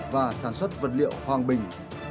và sản xuất vật liệu hoàng bình